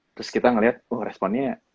terus kita ngelihat oh responnya